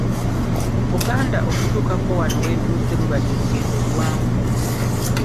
Buganda okutuukako wano wetuuse lubadde lugendo luwanvu.